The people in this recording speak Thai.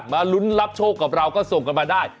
ลุ้นรับโชคกับเราก็ส่งกันมาได้